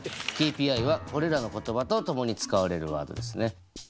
ＫＰＩはこれらの言葉と共に使われるワードですね。